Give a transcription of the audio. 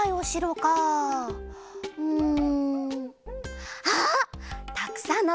うん。